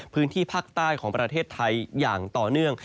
พื้นที่ภาคใต้ของประเทศไทยอย่างต่อเนื่อง